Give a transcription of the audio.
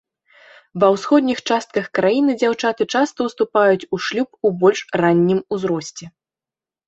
Ва ўсходніх частках краіны дзяўчаты часта ўступаюць у шлюб у больш раннім узросце.